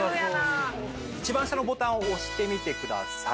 一番下のボタンを押してみてください。